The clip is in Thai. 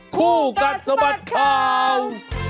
คู่กันสมัครข่าว